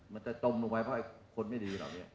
มันจะจมลงไปเพราะคนไม่ดีเหรอเนี่ย